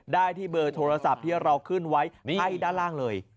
ได้ที่เบอร์โทรศัพท์ที่เราขึ้นไว้ให้ด้านล่างเลย